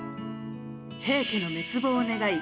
平家の滅亡を願い